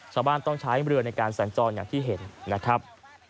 ชาวบ้านต้องใช้เรือในการสัญจรอย่างที่เห็นนะครับ